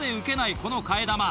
この替え玉。